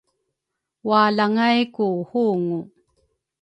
Walangay ku hungu